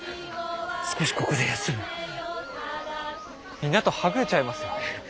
皆とはぐれちゃいますよ。